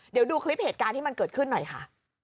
เดี๋ยวดูคลิปเหตุการณ์ที่มันเกิดขึ้นหน่อยค่ะ